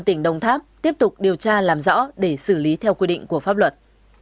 từ đó cơ quan điều tra làm rõ để xử lý theo quy định của pháp luật